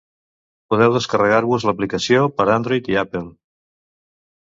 Podeu descarregar-vos l'aplicació per Android i Apple.